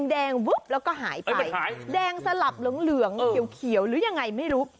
แดงวึบแล้วก็หายไปแดงสลับเหลืองเขียวหรือยังไงไม่รู้